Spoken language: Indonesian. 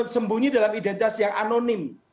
sembunyi dalam identitas yang anonim